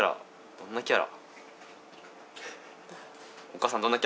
どんなキャラ？